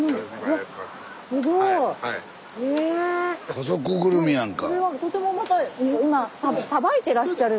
家族ぐるみやんか。